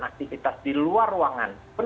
aktivitas di luar ruangan